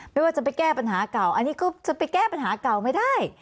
ไม่ว่าจะไปแก้ปัญหาเก่าอันนี้ก็จะไปแก้ปัญหาเก่าไม่ได้